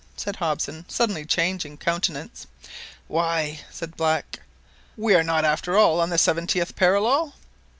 said Hobson, suddenly changing countenance. "Why," said Black, "we are not after all on the seventieth parallel